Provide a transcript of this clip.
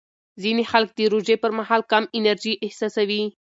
ځینې خلک د روژې پر مهال کم انرژي احساسوي.